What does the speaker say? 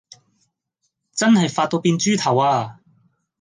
真係發到變豬頭呀